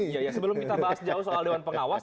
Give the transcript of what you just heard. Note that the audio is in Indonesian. iya ya sebelum kita bahas jauh soal dewan pengawas